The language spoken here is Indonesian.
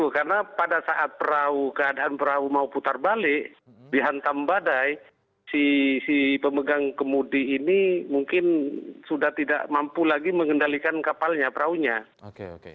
karena pada saat perahu keadaan perahu mau putar balik dihantam badai si pemegang kemudi ini mungkin sudah tidak mampu lagi mengendalikan kapalnya perahunya